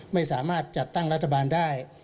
ไม่สามารถจัดตั้งรัฐบาลได้